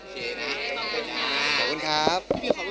ขอบคุณครับ